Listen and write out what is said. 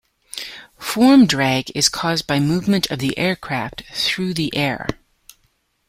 Form drag is caused by movement of the aircraft through the air.